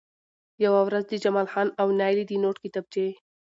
يوه ورځ د جمال خان او نايلې د نوټ کتابچې